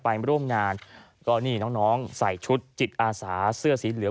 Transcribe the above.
ไปร่วมงานก็นี่น้องน้องใส่ชุดจิตอาสาเสื้อสีเหลือง